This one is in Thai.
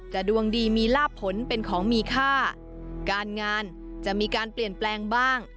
ดวงดีมีลาบผลเป็นของมีค่าการงานจะมีการเปลี่ยนแปลงบ้าง